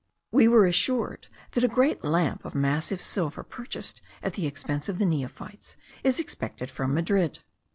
We were assured that a great lamp of massive silver, purchased at the expense of the neophytes, is expected from Madrid.